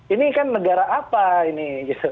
ini kan negara apa ini